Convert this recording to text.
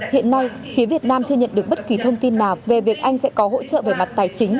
hiện nay phía việt nam chưa nhận được bất kỳ thông tin nào về việc anh sẽ có hỗ trợ về mặt tài chính